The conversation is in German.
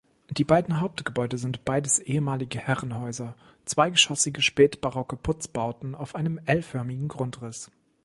Die beiden Hauptgebäude sind beides ehemalige Herrenhäuser, zweigeschossige, spätbarocke Putzbauten auf einem L-förmigen Grundriss.